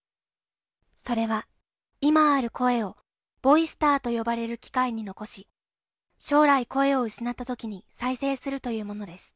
それは今ある声を「ボイスター」と呼ばれる機械に残し将来声を失った時に再生するというものです